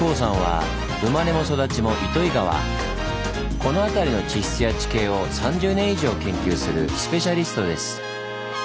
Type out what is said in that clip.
この辺りの地質や地形を３０年以上研究するスペシャリストです。